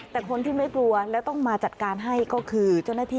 แต่คนที่ไม่กลัวแล้วต้องมาจัดการให้ก็คือ